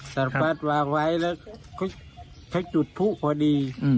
ตารปัสวางไว้เขากดทีพูดพอดี